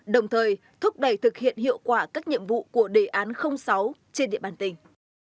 đồng thời thúc đẩy thực hiện hiệu quả các nhiệm vụ của đề án sáu trên địa bàn tỉnh